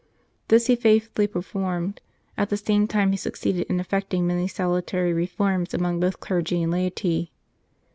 This he faithfully performed; at the same time he succeeded in effecting many salutary reforms among both clergy and laity.